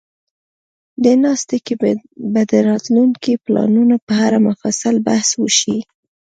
دې ناسته کې به د راتلونکو پلانونو په اړه مفصل بحث وشي.